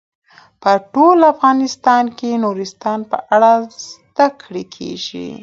په ټول افغانستان کې د نورستان په اړه زده کړه کېږي.